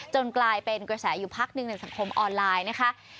กลายเป็นกระแสอยู่พักหนึ่งในสังคมออนไลน์นะคะ